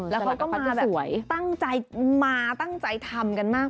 แล้วเขาก็มาแบบตั้งใจมาตั้งใจทำกันมาก